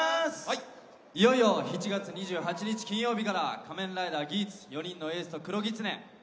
いよいよ７月２８日、金曜日から「仮面ライダーギーツ４人のエースと黒狐」。